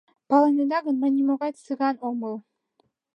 Палынеда гын, мый нимогай Цыган омыл.